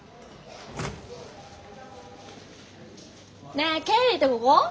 ねえ経理ってここ？